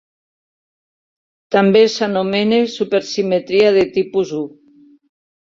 També s'anomena supersimetria de tipus I.